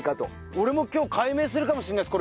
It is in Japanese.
俺も今日改名するかもしれないです